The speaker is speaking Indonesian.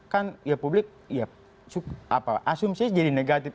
kan ya publik ya asumsinya jadi negatif